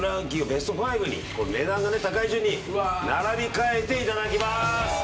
ベスト５に値段が高い順に並び替えていただきます。